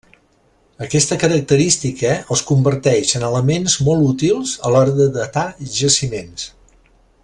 Aquesta característica els converteix en elements molt útils a l'hora de datar jaciments.